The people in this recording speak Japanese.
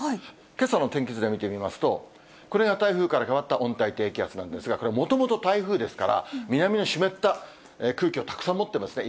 けさの天気図で見てみますと、これが台風から変わった温帯低気圧なんですが、これ、もともと台風ですから、南の湿った空気をたくさん持っていますね。